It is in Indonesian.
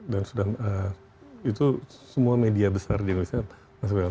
dan sudah itu semua media besar di indonesia